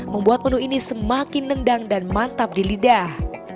membuat menu ini semakin nendang dan mantap di lidah